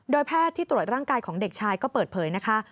แพทย์ที่ตรวจร่างกายของเด็กชายก็เปิดเผยนะคะ